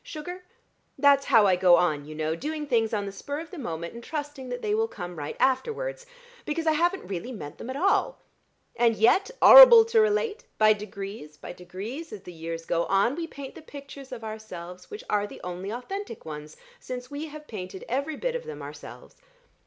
Sugar? That's how I go on, you know, doing things on the spur of the moment, and trusting that they will come right afterwards, because I haven't really meant them at all. And yet, 'orrible to relate, by degrees, by degrees as the years go on, we paint the pictures of ourselves which are the only authentic ones, since we have painted every bit of them ourselves.